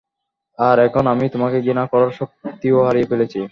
আর এখন আমি তোমাকে ঘৃণা করার শক্তিও হারিয়ে ফেলেছি।